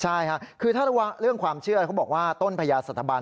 ใช่ค่ะคือถ้าระวังเรื่องความเชื่อเขาบอกว่าต้นพญาสัตบัน